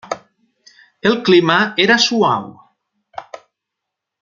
El clima era suau.